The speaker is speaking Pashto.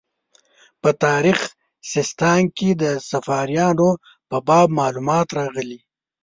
په تاریخ سیستان کې د صفاریانو په باب معلومات راغلي.